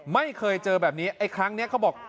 ไม่เคยเจอแบบนี้ไอ้ครั้งนี้เขาบอก